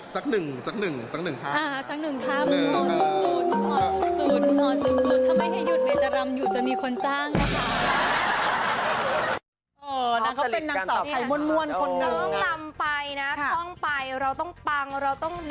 สักหนึ่งสักหนึ่งสักหนึ่งครับ